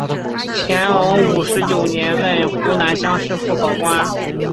乾隆五十九年任湖南乡试副考官。